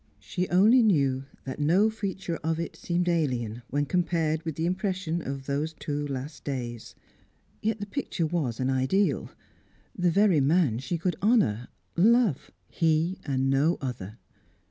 She only knew that no feature of it seemed alien when compared with the impression of those two last days. Yet the picture was an ideal; the very man she could honour, love; he and no other.